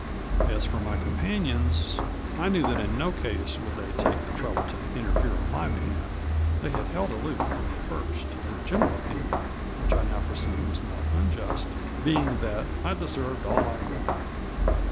As for my companions, I knew that in no case would they take the trouble to interfere in my behalf; they had held aloof from the first, the general opinion (which 1 now perceive was not unjust) being that " I deserved all I got."